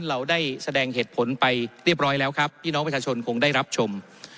เราได้แสดงเหตุผลไปเรียบร้อยแล้วครับพี่น้องประชาชนคงได้รับชม